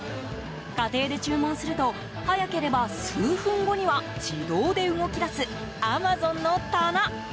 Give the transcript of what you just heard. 家庭で注文すると早ければ、数分後には自動で動き出すアマゾンの棚。